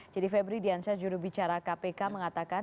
jadi febri diansyah juru bicara kpk mengatakan